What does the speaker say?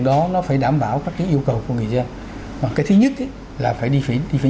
đó nó phải đảm bảo các cái yêu cầu của người dân cái thứ nhất là phải đi phải